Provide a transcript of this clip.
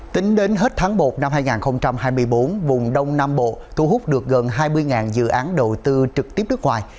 tính đến hết tháng một năm hai nghìn hai mươi bốn vùng đông nam bộ thu hút được gần hai mươi dự án đầu tư trực tiếp nước ngoài